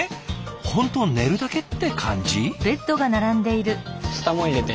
本当寝るだけって感じ？